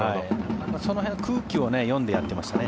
その辺、空気を読んでやってましたね。